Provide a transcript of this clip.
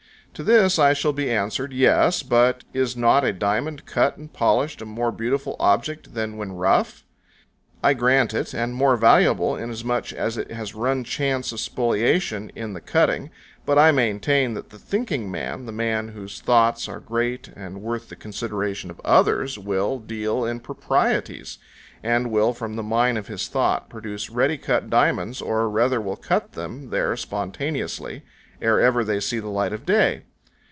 To this I shall be answered, "Yes, but is not a diamond cut and polished a more beautiful object than when rough?" I grant it, and more valuable, inasmuch as it has run chance of spoliation in the cutting, but I maintain that the thinking man, the man whose thoughts are great and worth the consideration of others, will "deal in proprieties," and will from the mine of his thoughts produce ready cut diamonds, or rather will cut them there spontaneously, ere ever they see the light of day.